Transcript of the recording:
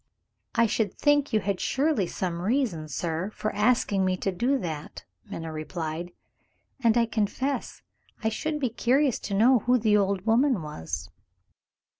"I should think you had surely some reason, sir, for asking me to do that," Minna replied; "and I confess I should be curious to know who the old woman was."